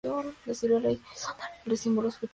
La ciruela y su árbol son los símbolos frutales de China.